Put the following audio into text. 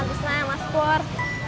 nanti senang ya mas pur